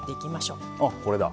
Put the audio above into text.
あこれだ。